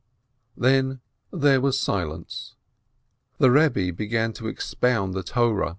Then there was silence, the Rebbe began to expound the Torah.